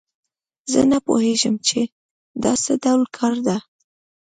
زه نه پوهیږم چې دا څه ډول کار ده